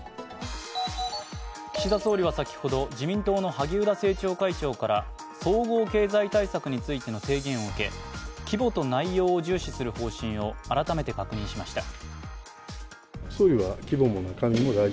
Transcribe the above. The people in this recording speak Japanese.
岸田総理は先ほど、自民党の萩生田政調会長から総合経済対策についての提言を受け規模と内容を重視する方針を改めて確認しました。